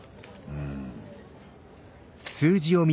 うん。